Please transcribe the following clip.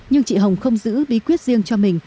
nhưng chị hồng không giữ bí quyết riêng cho mình